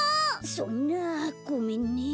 そんなごめんね。